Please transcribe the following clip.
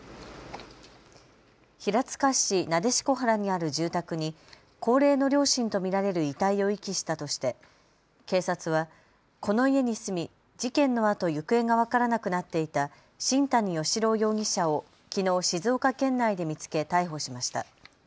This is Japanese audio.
平塚市撫子原にある住宅に高齢の両親と見られる遺体を遺棄したとして警察はこの家に住み、事件のあと行方が分からなくなっていた新谷嘉朗容疑者をきのう静岡県内で見つけ逮捕しました。